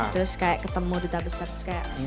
terus kayak ketemu duta besar kayak